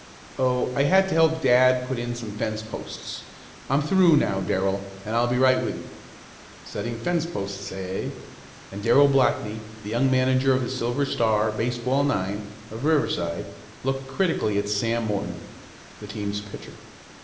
"Oh, I had to help dad put in some fence posts. I'm through now, Darrell, and I'll be right with you." "Setting fence posts; eh?" and Darrell Blackney, the young manager of the Silver Star baseball nine of Riverside looked critically at Sam Morton, the team's pitcher.